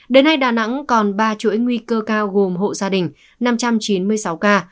đến nay đà nẵng còn ba chuỗi nguy cơ cao gồm hộ gia đình năm trăm chín mươi sáu ca